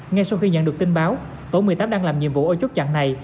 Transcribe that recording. ngay sau khi nhận được tin báo tổ một mươi tám đang làm nhiệm vụ ở chốt chặn này